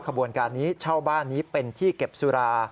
ขบวนการนี้เช่าบ้านนี้เป็นที่เก็บสุรา